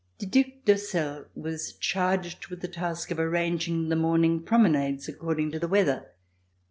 The Due d'Ursel was charged with the task of arranging the morning promenades, according to the weather.